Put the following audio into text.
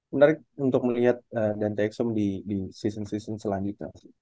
menarik untuk melihat dante exum di season season selanjutnya